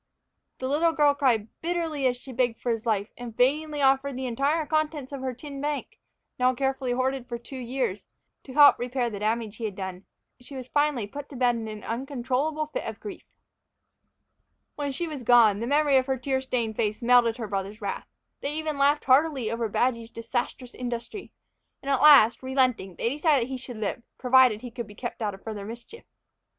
The little girl cried bitterly as she begged for his life, and vainly offered the entire contents of her tin bank, now carefully hoarded for two years, to help repair the damage he had done. She was finally put to bed in an uncontrollable fit of grief. When she was gone, the memory of her tear stained face melted her brothers' wrath. They even laughed heartily over Badgy's disastrous industry; and at last, relenting, they decided that he should live, provided he could be kept out of further mischief.